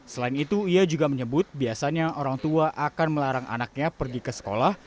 selain itu ia juga menyebut biasanya orang tua akan melarang anaknya pergi ke sekolah